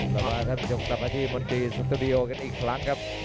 ต่อมาอาทิตย์ยกต่อไปมาที่เมันตีสตูดิโอกันอีกครั้งครับ